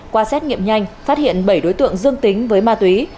qua xét nghiệm nhanh phát hiện bảy đối tượng dương tính với ma túy